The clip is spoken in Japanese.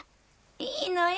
いいのよ